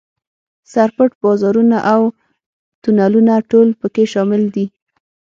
سر پټ بازارونه او تونلونه ټول په کې شامل دي.